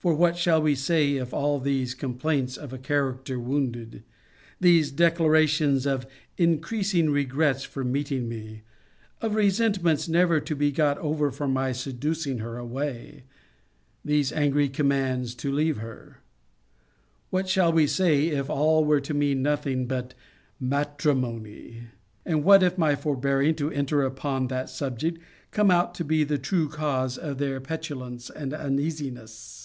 For what shall we say, if all these complaints of a character wounded; these declarations of increasing regrets for meeting me; of resentments never to be got over for my seducing her away; these angry commands to leaver her: What shall we say, if all were to mean nothing but MATRIMONY? And what if my forbearing to enter upon that subject come out to be the true cause of their petulance and uneasiness!